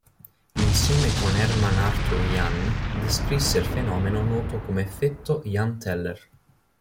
Insieme con Hermann Arthur Jahn descrisse il fenomeno noto come effetto Jahn-Teller.